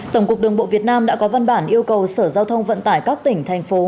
tổng cục đường bộ việt nam đã có văn bản yêu cầu sở giao thông vận tải các tỉnh thành phố